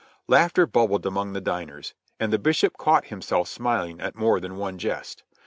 Laughter bubbled among the diners; and the Bishop caught himself smiling at more than one jest.